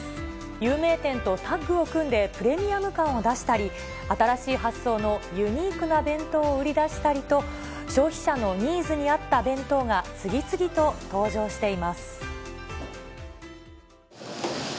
有名店とタッグを組んで、プレミアム感を出したり、新しい発想のユニークな弁当を売り出したりと、消費者のニーズに合った弁当が次々と登場しています。